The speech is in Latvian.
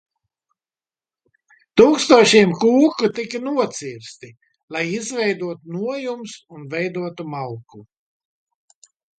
Tūkstošiem koku tika nocirsti, lai izveidotu nojumes un veidotu malku.